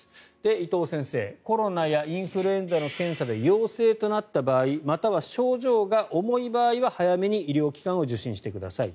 伊藤先生、コロナやインフルエンザの検査で陽性となった場合または症状が重い場合は早めに医療機関を受診してください。